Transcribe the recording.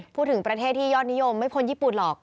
พูดถึงประเทศที่ยอดนิยมไม่พ้นญี่ปุ่นหรอก